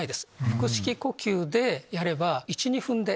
腹式呼吸でやれば１２分で。